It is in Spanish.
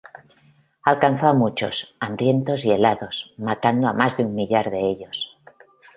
Alcanzó a muchos, hambrientos y helados, matando a más de un millar de ellos.